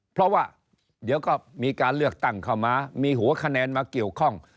เพราะว่าเดี๋ยวก็มีการเลือกตั้งเข้ามามีหัวคะแนนมาเกี่ยวข้อง